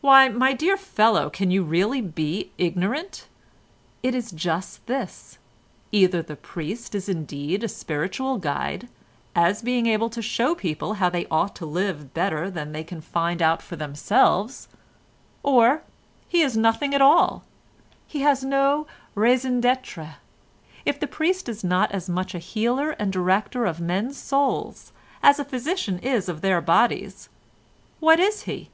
"Why, my dear fellow, can you really be ignorant? It is just this, either the priest is indeed a spiritual guide, as being able to show people how they ought to live better than they can find out for themselves, or he is nothing at all—he has no raison d'être. If the priest is not as much a healer and director of men's souls as a physician is of their bodies, what is he?